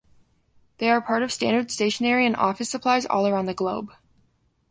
They are part of standard stationery and office supplies all around the globe.